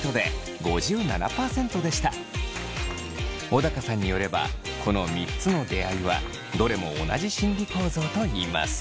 小高さんによればこの３つの出会いはどれも同じ心理構造といいます。